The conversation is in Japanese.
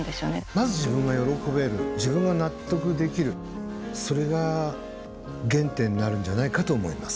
まず自分が喜べる自分が納得できるそれが原点になるんじゃないかと思います。